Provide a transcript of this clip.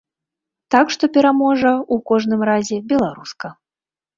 Так што пераможа, у кожным разе, беларуска.